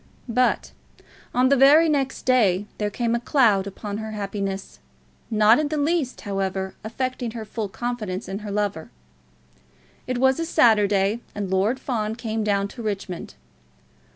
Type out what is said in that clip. But on the very next day there came a cloud upon her happiness, not in the least, however, affecting her full confidence in her lover. It was a Saturday, and Lord Fawn came down to Richmond.